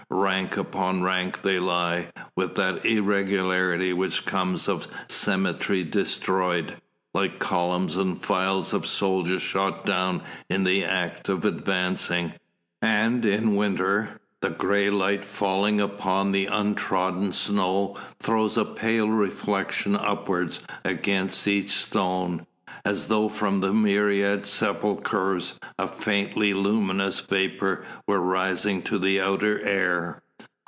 Rank upon rank they lie, with that irregularity which comes of symmetry destroyed, like columns and files of soldiers shot down in the act of advancing. And in winter, the gray light falling upon the untrodden snow throws a pale reflection upwards against each stone, as though from the myriad sepulchres a faintly luminous vapour were rising to the outer air.